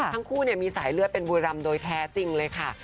ทั้งคู่มีสายเลือดเป็นบุรีรำโดยแท้จริงเลยค่ะ